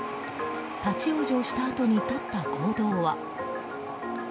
立ち往生したあとにとった行動は。